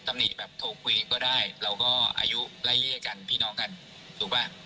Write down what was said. ตำหนิแบบโทรคุยก็ได้แล้วก็อายุใล่เยกกันพี่น้องกันถูกป่ะ